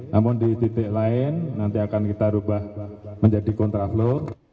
namun di titik lain nanti akan kita ubah menjadi kontraflow